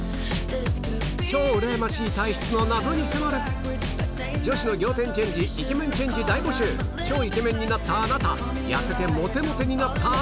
超うらやましい体質の謎に迫る女子の仰天チェンジイケメンチェンジ大募集超イケメンになったあなた痩せてモテモテになったあなた